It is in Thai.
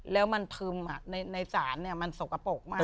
แล้วมันพึมในศาลเนี่ยมันสกปรกมากเลย